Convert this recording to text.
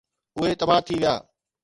اهي تباهه ٿي ويا.